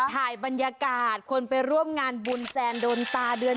ถ่ายบรรยากาศคนไปร่วมงานบุญแซนโดนตาเดือน